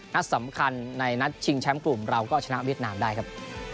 นัดสำคัญในนัดชิงแชมป์กลุ่มเราก็ชนะเวียดนามได้ครับ